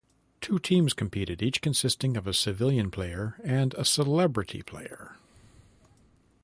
Two teams competed, each consisting of a civilian player and a celebrity player.